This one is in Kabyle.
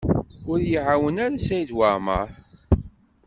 Ur y-iɛawen ara Saɛid Waɛmaṛ.